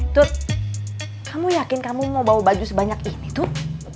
turk kamu yakin kamu mau bawa baju sebanyak ini tuh